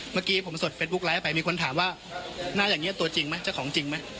เมื่อกี้ผมสดเฟซบุ๊กไลท์ไปมีคนถามว่าหน้าอย่างเงี้ยตัวจริงไหม